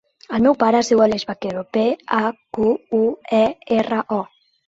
El meu pare es diu Aleix Baquero: be, a, cu, u, e, erra, o.